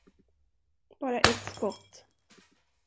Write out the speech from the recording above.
Bara ett skott?